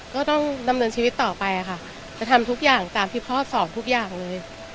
ก็ต้องดำเนินชีวิตต่อไปค่ะจะทำทุกอย่างตามที่พ่อสอนทุกอย่างเลย